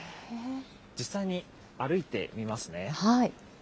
実際に歩いてみますね。